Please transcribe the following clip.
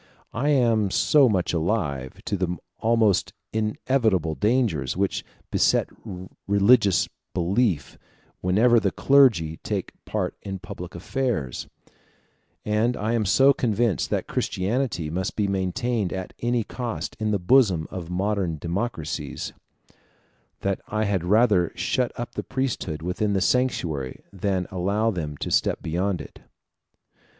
I am so much alive to the almost inevitable dangers which beset religious belief whenever the clergy take part in public affairs, and I am so convinced that Christianity must be maintained at any cost in the bosom of modern democracies, that I had rather shut up the priesthood within the sanctuary than allow them to step beyond it.